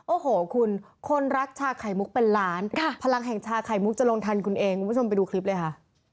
โอ้โหคุณคนรักชาไข่มุกเป็นล้านพลังแห่งชาไข่มุกจะลงทันคุณเองคุณผู้ชมไปดูคลิปเลยค่ะ